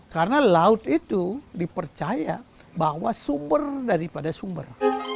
karena laut itu dipercaya bahwa sumber daripada sumber